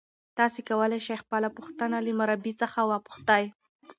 تاسي کولای شئ خپله پوښتنه له مربی څخه وپوښتئ.